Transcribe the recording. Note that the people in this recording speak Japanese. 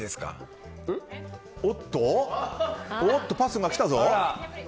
おっと、パスが来たぞ。